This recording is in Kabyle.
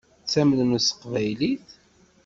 Ttamnen s teqbaylit.